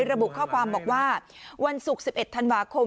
ระบุข้อความบอกว่าวันศุกร์๑๑ธันวาคม